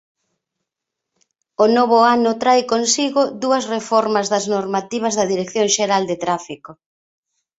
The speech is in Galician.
O novo ano trae consigo dúas reformas das normativas da Dirección Xeral de Tráfico.